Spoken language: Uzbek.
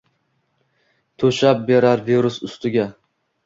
toʼshab berar virus ustiga